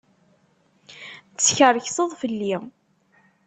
Teskerkseḍ fell-i.